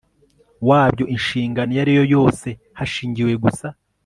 wa byo inshingano iyo ari yo yose hashingiwe gusa